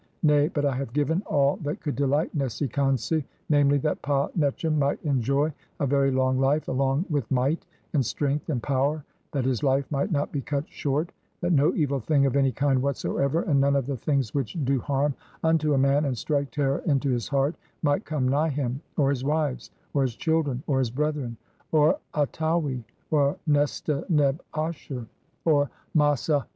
Nay, "but [I have given] all that could delight Nesi r Khonsu, "namely, that Pa netchem might enjoy a very long life "along with might, and strength, and power ; that his "life might not be cut short ; that no evil thing of any "kind whatsoever, and none of the things which do "harm unto a man and strike terror into his heart "might come nigh him, or his wives, or his children, "or his brethren, or Ataui, or Nesta neb asher, or THE BOOK OF THE DEAD OF NESI KHONSU.